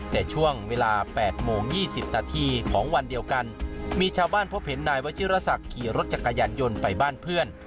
แต่ช่วงเวลา๘โมง๒๐นาทีของวันเดียวกันมีชาวบ้านพบเห็นนายวัชิรษักขี่รถจักรยานยนต์ไปบ้านเพื่อน